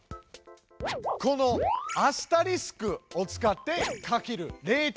この「アスタリスク」を使ってかける０．５。